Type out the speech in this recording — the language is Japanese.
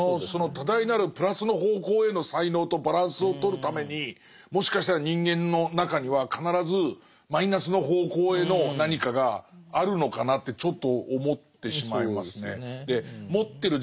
その多大なるプラスの方向への才能とバランスをとるためにもしかしたら人間の中には必ずマイナスの方向への何かがあるのかなってちょっと思ってしまいますね。